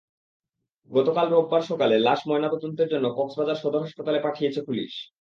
গতকাল রোববার সকালে লাশ ময়নাতদন্তের জন্য কক্সবাজার সদর হাসপাতালে পাঠিয়েছে পুলিশ।